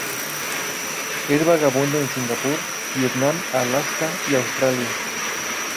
Es vagabundo en Singapur, Vietnam, Alaska y Australia.